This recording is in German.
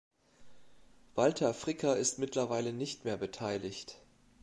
Walter Fricker ist mittlerweile nicht mehr beteiligt.